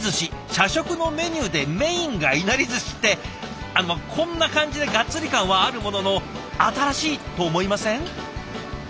社食のメニューでメインがいなりずしってこんな感じでガッツリ感はあるものの新しいと思いません？